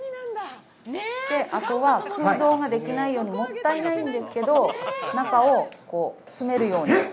あとは、空洞ができないように、もったいないんですけど、中を詰めるように。